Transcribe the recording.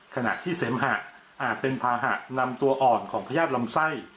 ขณะที่เสมหะอาจเป็นภาหะนำตัวอ่อนของพญาติลำไส้